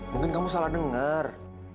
mungkin kamu salah dengar